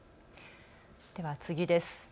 では次です。